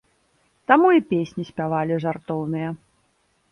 Таму і песні спявалі жартоўныя.